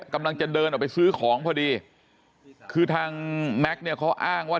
กำลังจะเดินออกไปซื้อของพอดีคือทางแม็กซ์เนี่ยเขาอ้างว่า